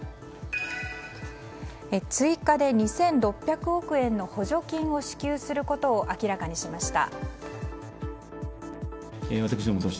追加で２６００億円の補助金を支給することを明らかにしました。